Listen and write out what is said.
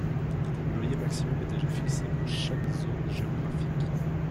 Le loyer maximum est déjà fixé pour chaque zone géographique.